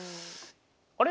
あれ？